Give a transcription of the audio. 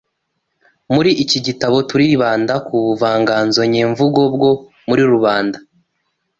Muri iki gitabo turibanda ku buvanganzo nyemvugo bwo muri rubanda